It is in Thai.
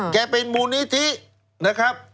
เป็นมูลนิธินะครับ